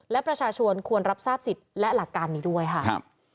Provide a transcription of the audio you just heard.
และประชาชนควรรับทราบสิทธิ์และหลักการนี้ด้วยค่ะ